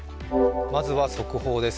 まずは速報です。